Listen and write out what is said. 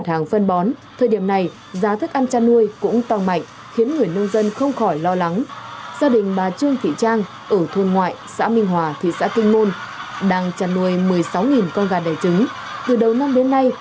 thời điểm này đang bước vào gia đình ông tống văn tú ở thôn an bộ xã hiệp hòa thị xã kinh môn cấy hơn ba sào lúa